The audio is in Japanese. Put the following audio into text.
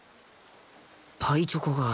パイチョコがある。